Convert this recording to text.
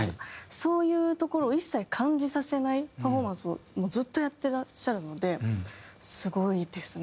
そういうところを一切感じさせないパフォーマンスをずっとやってらっしゃるのでスゴいですね。